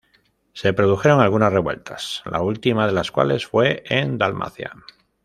Se produjeron algunas revueltas, la última de las cuales fue en Dalmacia.